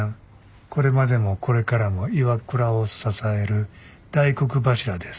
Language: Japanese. これまでもこれからもＩＷＡＫＵＲＡを支える大黒柱です」。